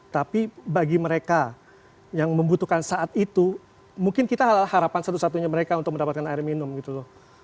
tapi bagi mereka yang membutuhkan saat itu mungkin kita harapan satu satunya mereka untuk mendapatkan air minum gitu loh